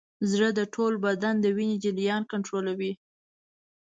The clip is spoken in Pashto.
زړه د ټول بدن د وینې جریان کنټرولوي.